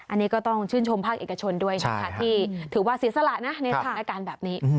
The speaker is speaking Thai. อันนี้ก็ต้องชื่นชมภาคเอกชนด้วยนะคะที่ถือว่าเสียสละนะในสถานการณ์แบบนี้